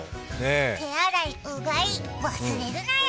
手洗い、うがい、忘れるなよ！